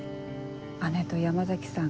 姉と山崎さん